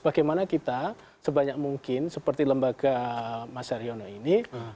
bagaimana kita sebanyak mungkin seperti lembaga mas haryono ini